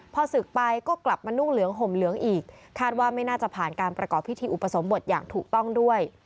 พอศึกไปก็กลับมานุ่งเหลืองห่มเหลืองอีกคาดว่าไม่น่าจะผ่านการประกอบพิธีอุปสมบทอย่างถูกต้องด้วย